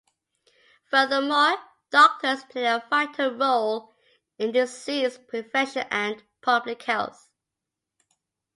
Furthermore, doctors play a vital role in disease prevention and public health.